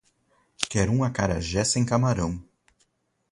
Quero um acarajé sem camarão